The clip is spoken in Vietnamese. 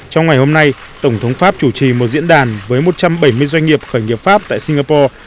trong ngày hôm nay tổng thống pháp chủ trì một diễn đàn với một trăm bảy mươi doanh nghiệp khởi nghiệp pháp tại singapore